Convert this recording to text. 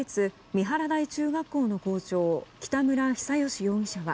三原台中学校の校長、北村比左嘉容疑者は